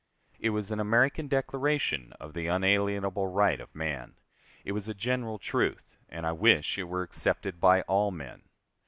It was an American declaration of the unalienable right of man; it was a general truth, and I wish it were accepted by all men.